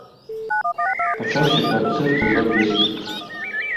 Пачаўся канцэрт з абвестак.